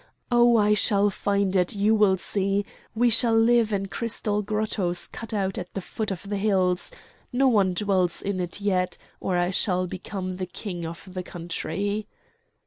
Oh! I shall find it, you will see. We shall live in crystal grottoes cut out at the foot of the hills. No one dwells in it yet, or I shall become the king of the country."